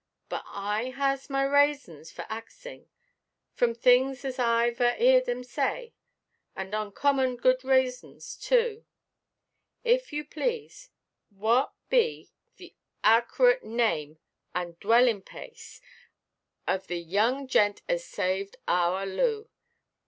But I has my raisons for axing, from things as Iʼve a 'earʼd him say, and oncommon good raisons too. If you please, what be the arkerate name and dwellinʼ–place of the young gent as saved our Loo?